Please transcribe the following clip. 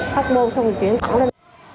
phát môn xong rồi chuyển khoảng lên